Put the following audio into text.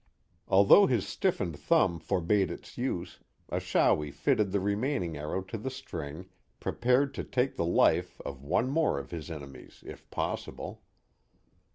Although his stiffened thumb forbade its use, Achawi fitted the remaining arrow to the string, prepared to take the life of one more of his enemies if possible.